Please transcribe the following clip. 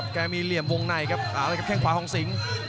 แค่มีเหลี่ยมวงในครับแค่งขวาของสิงค์